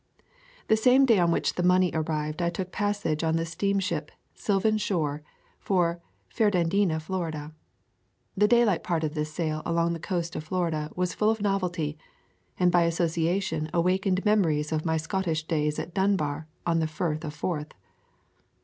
The same day on which the money arrived I took passage on the steamship Sylvan Shore for Fernandina, Florida. The daylight part of this sail along the coast of Florida was full of novelty, and by association awakened memories of my Scottish days at Dunbar on the Firth of Forth.